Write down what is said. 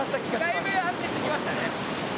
だいぶ安定してきましたね。